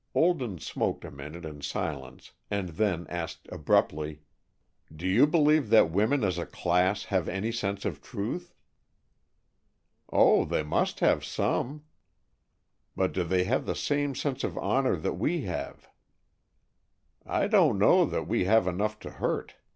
Olden smoked a minute in silence, and then asked abruptly, "Do you believe that women as a class have any sense of truth?" "Oh, they must have some!" "But do they have the same sense of honor that we have?" "I don't know that we have enough to hurt.